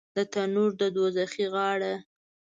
د تنور دوږخي غاړه